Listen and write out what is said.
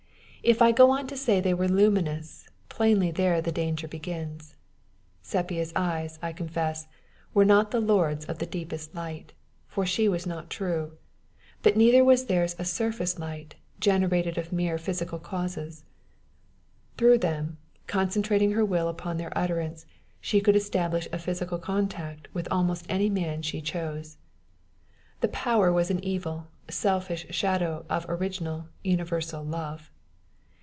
If I go on to say they were luminous, plainly there the danger begins. Sepia's eyes, I confess, were not lords of the deepest light for she was not true; but neither was theirs a surface light, generated of merely physical causes: through them, concentrating her will upon their utterance, she could establish a psychical contact with almost any man she chose. Their power was an evil, selfish shadow of original, universal love.